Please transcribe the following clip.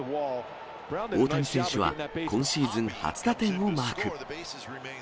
大谷選手は今シーズン初打点をマーク。